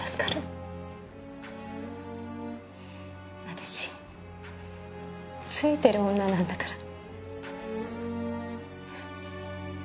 私ついてる女なんだから。